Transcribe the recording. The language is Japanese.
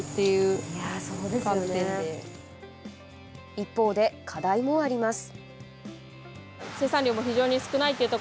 一方で、課題もあります。